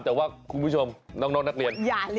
แต่ว่าคุณผู้ชมน้องนักเรียน